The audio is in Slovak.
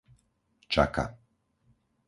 Čaka